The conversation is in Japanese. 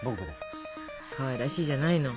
かわいらしいじゃないの。